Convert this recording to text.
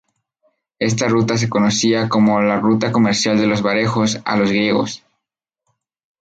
Esta ruta se conocía como la ruta comercial de los varegos a los griegos.